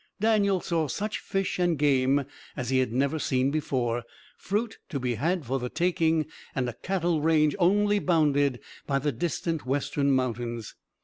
Daniel saw such fish and game as he had never seen before, fruit to be had for the taking, and a cattle range only bounded by the distant western mountains.